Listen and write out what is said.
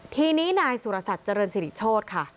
ทีนี้นายสุรศักดิ์เจริญสิริโชธค่ะ